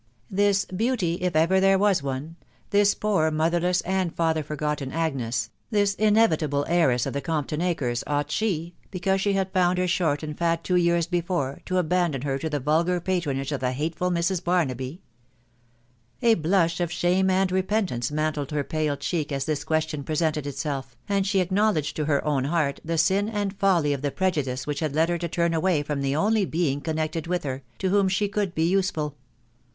This "beautg if ever there was one" thiB poor motherless and father for gotten Agnes, this inevitable heiress of the Compton acres, ought she, because she had found her short and fat two yean before, to abandon her to the vulgar patronage of the hatefol Mrs. Barnaby ? A blush of shame and repentance mantled her pale cheek as this question presented itself, and she acknowledged to her own heart the sin and folly of the pre judice which had led her to turn away from the only being connected with her, to whom she could be useful.